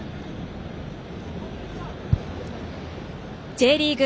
Ｊリーグ